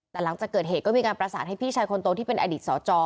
แต่หลังจากเกิดเหตุก็มีการประสานให้พี่ชายคนโตที่เป็นอดีตสจ